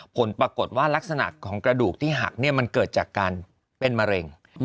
ผลปรากฏว่ารักษณะของกระดูกที่หักมันเกิดจากการเป็นมะเร็ง